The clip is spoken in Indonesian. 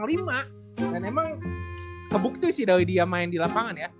dan emang kebukti sih kalau dia main di lapangan ya